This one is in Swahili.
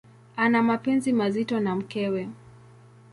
Ana mapenzi mazito na mkewe.